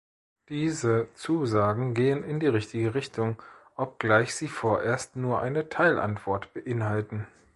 Diese Zusagen gehen in die richtige Richtung, obgleich sie vorerst nur eine Teilantwort beinhalten.